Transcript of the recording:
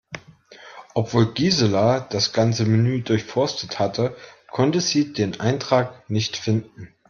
Obwohl Gisela das ganze Menü durchforstet hatte, konnte sie den Eintrag nicht finden.